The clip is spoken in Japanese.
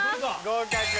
合格。